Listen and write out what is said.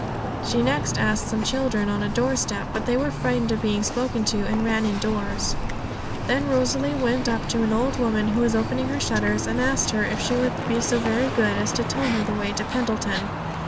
She next asked some children on a doorstep; but they were frightened at being spoken to, and ran indoors. Then Rosalie went up to an old woman who was opening her shutters, and asked her if she would be so very good as to tell her the way to Pendleton.